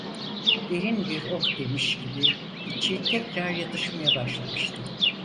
Derin bir oh demiş gibi içi tekrar yatışmaya başlamıştı.